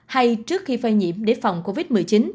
hay trước khi phơi nhiễm để phòng covid một mươi chín